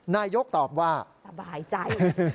นายกตอบว่าสบายใจ